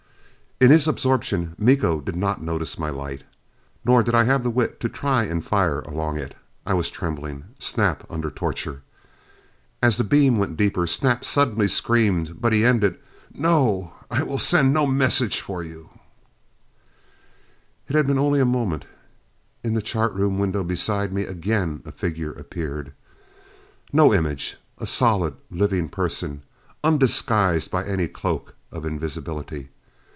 In his absorption Miko did not notice my light. Nor did I have the wit to try and fire along it. I was trembling. Snap under torture! As the beam went deeper. Snap suddenly screamed. But he ended, "No! I will send no message for you " It had been only a moment. In the chart room window beside me again a figure appeared! No image. A solid, living person, undisguised by any cloak of invisibility.